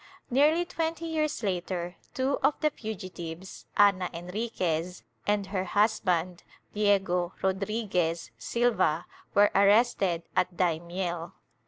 Nearly twenty years later two of the fugitives, Ana Enriquez and her husband Diego Rodriguez Silva, were arrested at Daimiel.